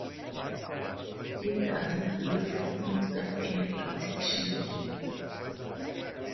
He doesn't give himself any protection.